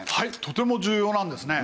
とても重要なんですね。